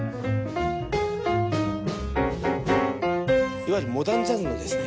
いわゆるモダンジャズのですね